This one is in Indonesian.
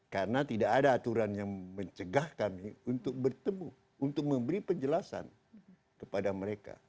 karena tidak ada aturan yang mencegah kami untuk bertemu untuk memberi penjelasan kepada mereka